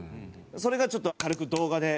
それがちょっと軽く動画で。